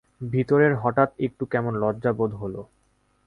ভিতরে হঠাৎ একটু কেমন লজ্জা বোধ হল।